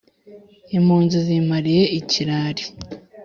impunzi zimpariye ikirari